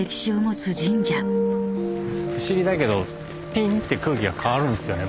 不思議だけどぴんって空気が変わるんですよね